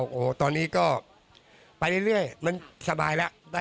โอ้โหตอนนี้ก็ไปเรื่อยมันสบายแล้ว